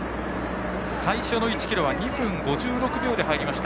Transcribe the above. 最初の１ｋｍは２分５６秒で入りました。